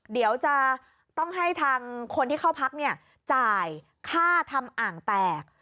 เดี๋ยวจะต้องให้ทางคนที่เข้าพักเนี่ยจ่ายค่าทำอ่างแตก